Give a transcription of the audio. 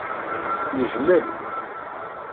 Yejmel.